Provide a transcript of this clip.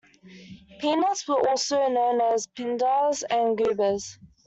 Peanuts were also known as pindars and goobers.